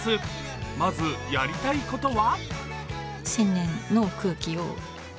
まずやりたいことは？